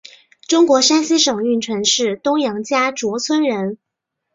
中国山西省运城市东杨家卓村人。